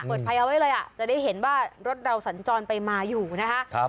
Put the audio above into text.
เปิดไฟเอาไว้เลยอ่ะจะได้เห็นว่ารถเราสัญจรไปมาอยู่นะคะ